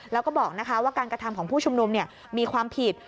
แล้วก็บอกว่าการกระทำของผู้ชุมนุมมีความผิด